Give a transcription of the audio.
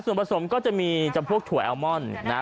ส่วนผสมก็จะมีจำพวกถั่วแอลมอนนะฮะ